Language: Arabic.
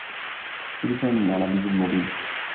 بِلِسَانٍ عَرَبِيٍّ مُبِينٍ